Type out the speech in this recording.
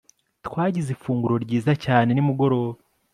Twagize ifunguro ryiza cyane nimugoroba